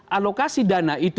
alokasi dana itu